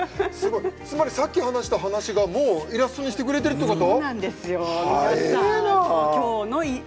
さっき話した話をもうイラストにしてくれてるということ？